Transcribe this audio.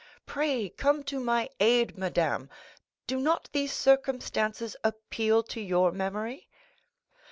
Pray come to my aid, madame; do not these circumstances appeal to your memory?"